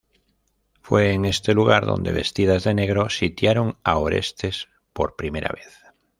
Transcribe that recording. Fue en este lugar donde, vestidas de negro, sitiaron a Orestes por primera vez.